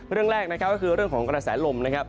เรื่องแรกนะครับก็คือเรื่องของกระแสลมนะครับ